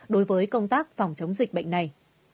đối với công tác phòng chống dịch bệnh này